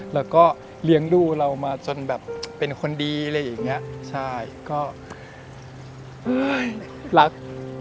แล้วก็เลี้ยงดูเรามาจนแบบเป็นคนดีอะไรอย่างเงี้ยใช่ก็รัก